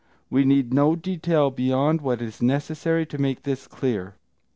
We need no detail beyond what is necessary to make this clear.